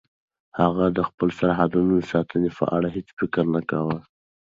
هغه د خپلو سرحدونو د ساتنې په اړه هیڅ فکر نه کاوه.